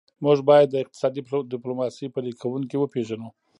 موږ باید د اقتصادي ډیپلوماسي پلي کوونکي وپېژنو